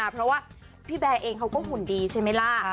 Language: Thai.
เพราะว่าพี่แบร์เองเขาก็หุ่นดีใช่ไหมล่ะ